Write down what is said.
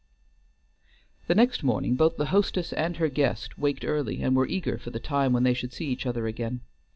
The next morning both the hostess and her guest waked early, and were eager for the time when they should see each other again.